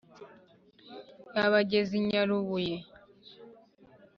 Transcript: yabageza i nyarubuye.